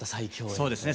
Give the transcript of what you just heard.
そうですね。